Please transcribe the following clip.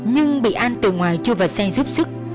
nhưng bị an từ ngoài chưa vào xe giúp sức